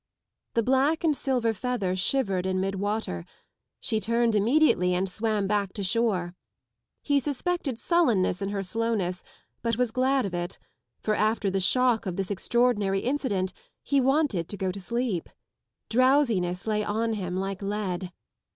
The black and silver feather shivered in mid*water. She turned immediately and swam back to shore. He suspected sullenness in her slowness, but was glad of it, for after the shock of this extraordinary incident he wanted to go to sleep. Drowsiness lay on him like lead.